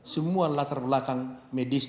semua latar belakang medis